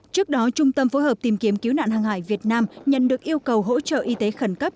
trước đó trung tâm phối hợp tìm kiếm cứu nạn hàng hải việt nam nhận được yêu cầu hỗ trợ y tế khẩn cấp